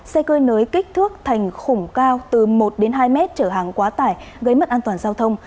xe cơi nới kích thước thành khủng cao từ một đến hai mét trở hàng quá tải gây mất an toàn giao thông